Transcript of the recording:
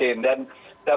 saya tidak begitu yakin